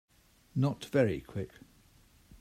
Not very Quick.